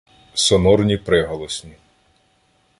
Сонорні приголосні